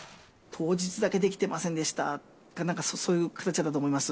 当日だけできていませんでしたって、そういう形だと思います。